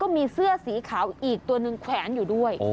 มีเสื้อสีขาวอีกตัวหนึ่งแขวนอยู่ด้วย